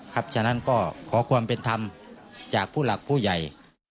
ฉะนั้นก็ขอความเป็นธรรมจากผู้หลักผู้ใหญ่